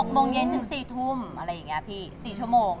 โมงเย็นถึง๔ทุ่มอะไรอย่างนี้พี่๔ชั่วโมง